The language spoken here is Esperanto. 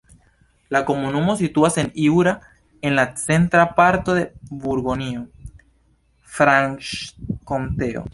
La komunumo situas en Jura, en la centra parto de Burgonjo-Franĉkonteo.